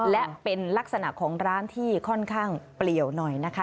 และเป็นลักษณะของร้านที่ค่อนข้างเปลี่ยวหน่อยนะคะ